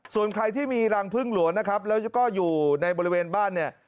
ส่วนใครที่มีรังพึ่งหลวงนะครับแล้วก็อยู่ในบริเวณบ้านเนี่ย